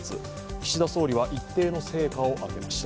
岸田総理は一定の成果を挙げました。